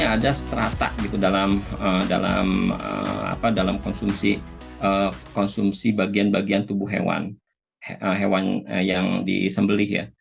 ada strata dalam konsumsi bagian bagian tubuh hewan yang disembeli